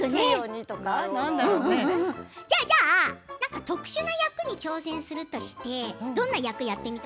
じゃあ特殊な役に挑戦するとしてどんな役をやってみたい？